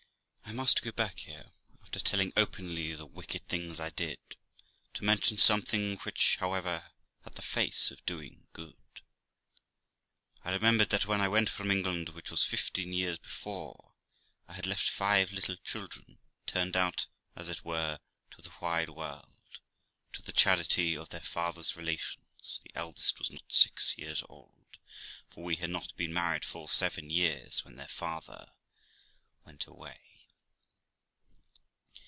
I must go back here, after telling openly the wicked things I did, to mention something which, however, had the face of doing good. I remem bered that when I went from England, which was fifteen years before, I had left five little children, turned out as it were to the wide world, and to the charity of their father's relations ; the eldest was not six years old, for we had not been married full seven years when their father went away.